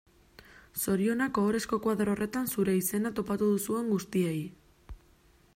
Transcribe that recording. Zorionak ohorezko koadro horretan zure izena topatu duzuen guztiei.